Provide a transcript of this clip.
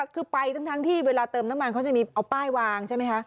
คือไปทั้งที่เวลาเติมน้ำมันเขาจะมีเอาป้ายวางใช่ไหมคะ